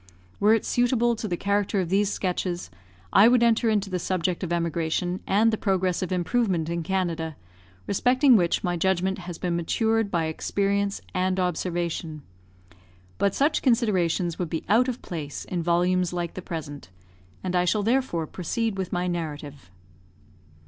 Were it suitable to the character of these sketches, I would enter into the subject of emigration and the progress of improvement in Canada, respecting which my judgment has been matured by experience and observation; but such considerations would be out of place in volumes like the present, and I shall therefore proceed with my narrative.